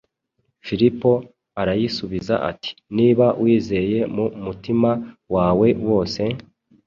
Filipo arayisubiza ati: ” Niba wizeye mu mutima wawe wose,